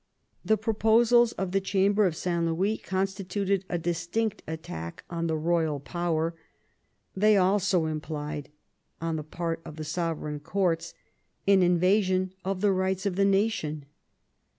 The proposals of the Chamber of St Louis constituted a distinct attack ^ on the royal power; they also implied on the part of the Sovereign Courts an invasion of the rights of the nation.